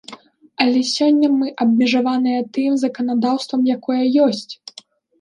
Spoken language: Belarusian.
Але сёння мы абмежаваныя тым заканадаўствам, якое ёсць.